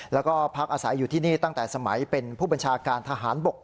แล้วก็พักอาศัยอยู่ที่นี่ตั้งแต่สมัยเป็นผู้บัญชาการทหารบก